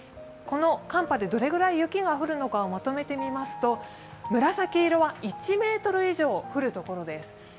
この寒波でどれくらいの雪が降るのかをまとめてみますと紫色は１ｍ以上降るところです。